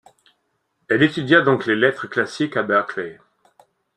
Elle étudia donc les lettres classiques à Berkeley.